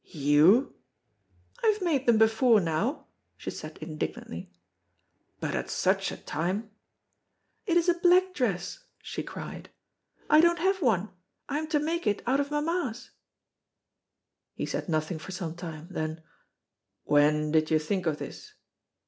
"You!" "I have made them before now," she said indignantly. "But at such a time!" "It is a black dress," she cried, "I don't have one, I am to make it out of mamma's." He said nothing for some time, then "When did you think of this?"